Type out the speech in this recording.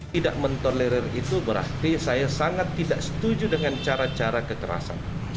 tidak mentolerir itu berarti saya sangat tidak setuju dengan cara cara kekerasan